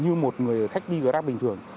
nếu như một người khách đi grab bình thường